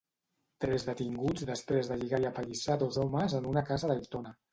Tres detinguts després de lligar i apallissar dos homes en una casa d'Aitona.